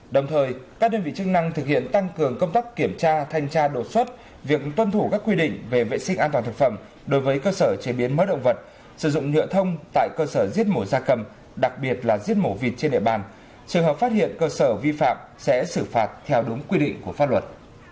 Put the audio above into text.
đồng thời các đơn vị chức năng thực hiện tăng cường công tác kiểm tra thanh tra đột xuất việc tuân thủ các quy định về vệ sinh an toàn thực phẩm đối với cơ sở chế biến mớ động vật sử dụng nhựa thông tại cơ sở giết mổ da cầm đặc biệt là giết mổ vịt trên địa bàn trường hợp phát hiện cơ sở vi phạm sẽ xử phạt theo đúng quy định của pháp luật